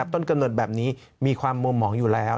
ต้นกำเนิดแบบนี้มีความมัวหมองอยู่แล้ว